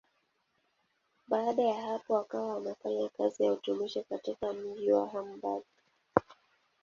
Baada ya hapo akawa anafanya kazi ya utumishi katika mji wa Hamburg.